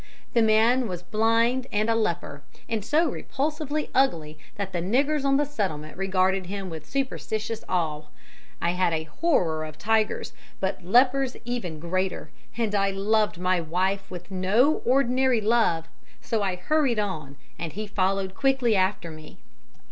The man was blind and a leper, and so repulsively ugly that the niggers on the settlement regarded him with superstitious awe. I had a horror of tigers, but of lepers even greater. And I loved my wife with no ordinary love. So I hurried on, and he followed quickly after me.